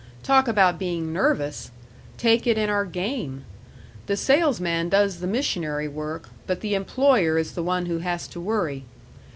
Talk about being nervous! Take it in our game. The salesman does the missionary work, but the employer is the one who has to worry.